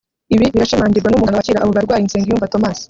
Ibi birashimangirwa n'umuganga wakira abo barwayi Nsengiyumva Thomas